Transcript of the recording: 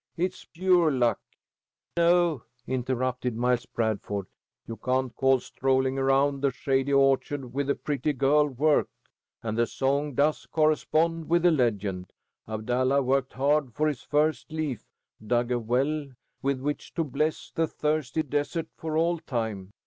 It's pure luck." "No," interrupted Miles Bradford, "you can't call strolling around a shady orchard with a pretty girl work, and the song does correspond with the legend. Abdallah worked hard for his first leaf, dug a well with which to bless the thirsty desert for all time.